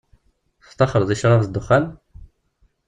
Tettaxxṛeḍ i ccṛab d dexxan?